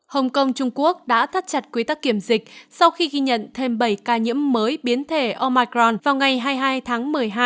hồng kông trung quốc đã thắt chặt quy tắc kiểm dịch sau khi ghi nhận thêm bảy ca nhiễm mới biến thể omicron vào ngày hai mươi hai tháng một mươi hai